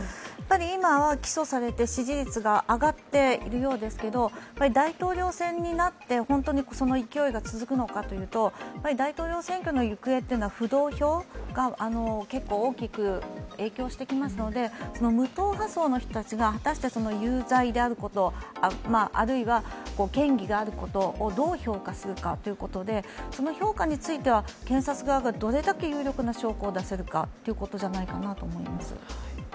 今は起訴されて支持率が上がっているようですけれども、大統領選になって本当にその勢いが続くのかというと大統領選挙の行方というのは浮動票が結構大きく影響してきますので、無党派層の人たちが果たして有罪であることあるいは嫌疑があることをどう評価するかということで、その評価については検察側がどれだけ有力な証拠を出せるかということじゃないかなと思います。